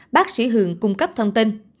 bác sĩ hường cung cấp thông tin